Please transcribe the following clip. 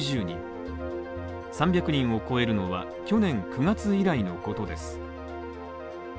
３００人を超えるのは去年９月以来のことです。